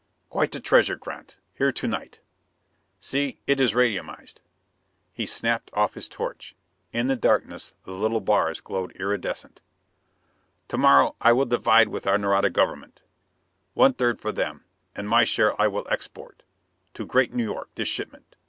"Quite a treasure, Grant, here to night. See, it is radiumized." He snapped off his torch. In the darkness the little bars glowed irridescent. "To morrow I will divide with our Nareda government. One third for them. And my own share I will export: to Great New York, this shipment.